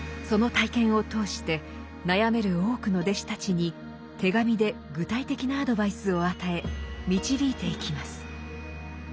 その体験を通して悩める多くの弟子たちに手紙で具体的なアドバイスを与え導いていきます。